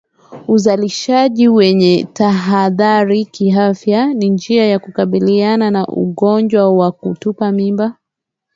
Uzalishaji wenye tahadhari kiafya ni njia ya kukabiliana na ugonjwa wa kutupa mimba